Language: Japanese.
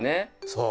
そう。